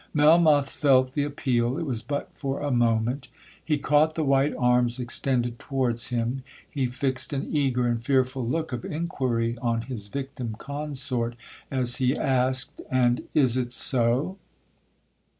Melmoth felt the appeal—it was but for a moment. He caught the white arms extended towards him—he fixed an eager and fearful look of inquiry on his victim consort, as he asked—'And is it so?'